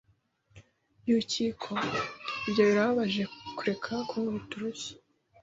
Yukiko! Ibyo birababaje! Kureka kunkubita urushyi!